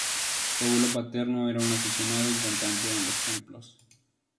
Su abuelo paterno era un aficionado y cantante en los templos.